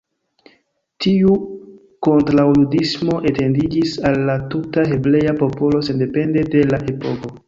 Tiu kontraŭjudismo etendiĝis al la tuta hebrea popolo sendepende de la epoko.